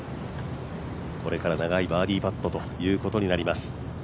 これから長いバーディーパットとなります。